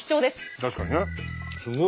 確かにね。